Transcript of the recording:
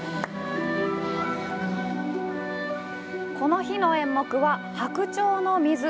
この日の演目は「白鳥の湖」。